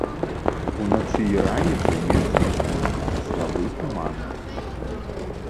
Уначы і раніцай месцамі спусціцца слабы туман.